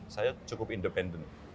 saya cukup independen